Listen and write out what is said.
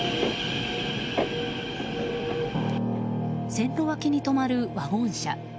線路脇に止まるワゴン車。